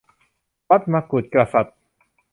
วัดมกุฏกษัตริย์